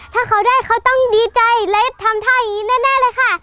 ถ้าเขาได้เขาต้องดีใจและทำท่าอย่างนี้แน่เลยค่ะ